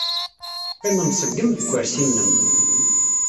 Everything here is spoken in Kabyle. Qqim mṣeggem deg ukersi-nnem.